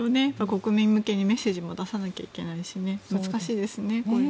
国民向けにメッセージも出さなきゃいけないしね難しいですね。